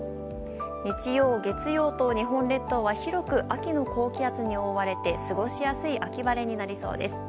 日曜、月曜と、日本列島は広く秋の高気圧に覆われて、過ごしやすい秋晴れになりそうです。